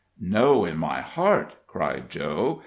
] "Know in my heart!" cried Joe.